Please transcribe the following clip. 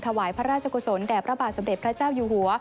ถวายพระราชกุศลแด่พระบาทสมเด็จพระเจ้าอยู่หัว